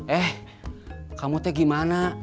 eh kamu teh gimana